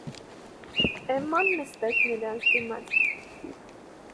Էմման նստեց նրա դիմաց: